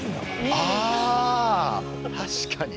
あ確かに。